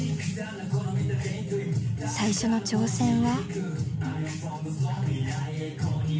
最初の挑戦は。